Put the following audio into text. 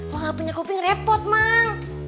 mak gak punya kuping repot mak